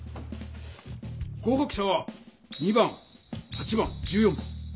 合かく者は２番８番１４番。